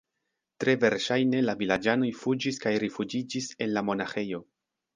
Tre verŝajne la vilaĝanoj fuĝis kaj rifuĝiĝis en la monaĥejo.